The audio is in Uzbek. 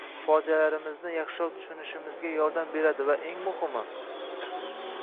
fojialarimizni yaxshiroq tushunishimizga yordam beradi va eng muhimi